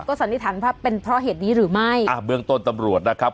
สันนิษฐานว่าเป็นเพราะเหตุนี้หรือไม่อ่าเบื้องต้นตำรวจนะครับ